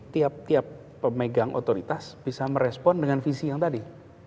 tiap tiap pemegang otoritas bisa merespon dengan visi yang tadi